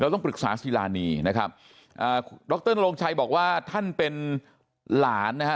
ต้องปรึกษาศิรานีนะครับอ่าดรนโรงชัยบอกว่าท่านเป็นหลานนะฮะ